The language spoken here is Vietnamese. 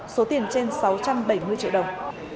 số tiền trên sáu trăm bảy mươi triệu đồng